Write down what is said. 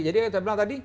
jadi saya bilang tadi